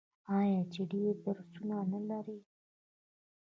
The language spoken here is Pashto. آیا چې ډیر درسونه نلري؟